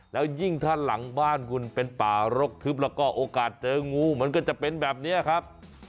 แล้วยิ่งถ้าหลังบ้านคุณเป็นป่ารกทึบแล้วก็โอกาสเจองูมันก็จะเป็นแบบนี้ครับ